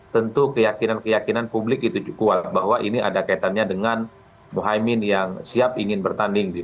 tentu keyakinan keyakinan publik itu kuat bahwa ini ada kaitannya dengan mohaimin yang siap ingin bertanding di dua ribu dua puluh empat